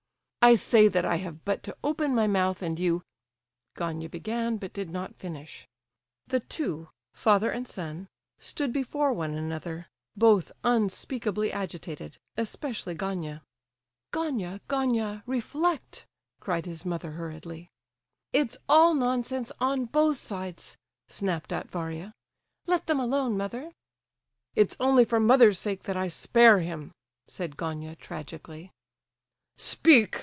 "I say that I have but to open my mouth, and you—" Gania began, but did not finish. The two—father and son—stood before one another, both unspeakably agitated, especially Gania. "Gania, Gania, reflect!" cried his mother, hurriedly. "It's all nonsense on both sides," snapped out Varia. "Let them alone, mother." "It's only for mother's sake that I spare him," said Gania, tragically. "Speak!"